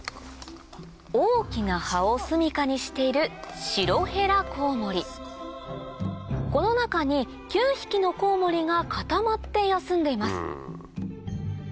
大きな葉をすみかにしているこの中に９匹のコウモリが固まって休んでいます